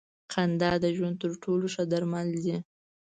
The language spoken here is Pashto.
خندا د ژوند تر ټولو ښه درمل دی.